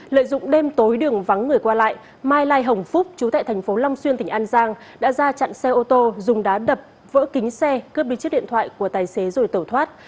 lợi dụng đêm tối đường vắng người qua lại mai lai hồng phúc chú tại thành phố long xuyên tỉnh an giang đã ra chặn xe ô tô dùng đá đập vỡ kính xe cướp đi chiếc điện thoại của tài xế rồi tẩu thoát